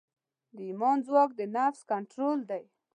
د ایمان ځواک د نفس کنټرول دی.